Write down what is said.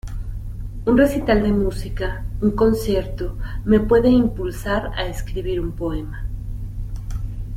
Un recital de música, un concierto, me puede impulsar a escribir un poema.